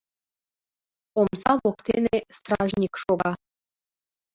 Омса воктене стражник шога.